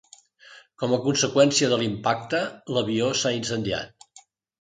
Com a conseqüència de l’impacte l’avió s’ha incendiat.